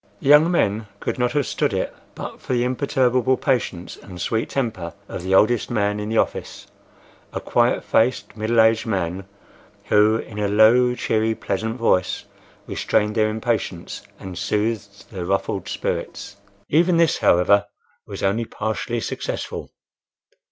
The young men could not have stood it but for the imperturbable patience and sweet temper of the oldest man in the office, a quiet faced, middle aged man, who, in a low, cheery, pleasant voice, restrained their impatience and soothed their ruffled spirits. Even this, however, was only partially successful.